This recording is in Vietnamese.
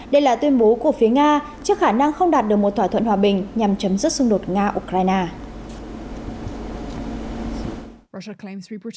đây là tuyên bố của phía nga trước khả năng không đạt được một thỏa thuận hòa bình nhằm chấm dứt xung đột nga ukraine